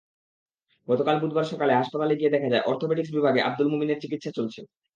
গতকাল বুধবার সকালে হাসপাতালে গিয়ে দেখা যায়, অর্থোপেডিকস বিভাগে আবদুল মুমিনের চিকিৎসা চলছে।